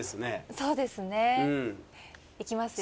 そうですね。いきますよ？